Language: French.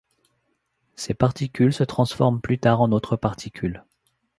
Ces particules se transforment plus tard en autres particules.